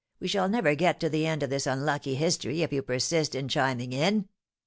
We shall never get to the end of this unlucky history if you persist in chiming in."